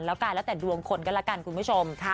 แล้วกายแล้วแต่ดวงคนก็แล้วกันคุณผู้ชม